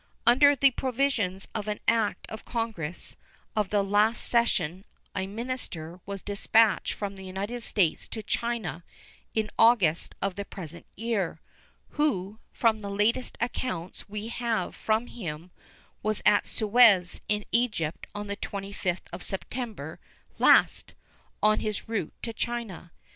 Under the provisions of an act of Congress of the last session a minister was dispatched from the United States to China in August of the present year, who, from the latest accounts we have from him, was at Suez, in Egypt, on the 25th of September last, on his route to China.